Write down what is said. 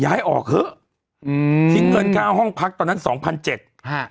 ย้ายออกเถอะอืมทิ้งเงินค่าห้องพักตอนนั้นสองพันเจ็ดฮะ